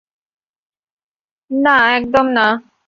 না, একদম না।